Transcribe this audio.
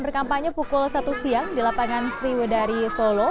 pertama kali yang berkampanye pukul satu siang di lapangan sriwedari solo